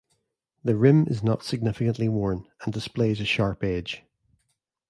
The rim is not significantly worn, and displays a sharp edge.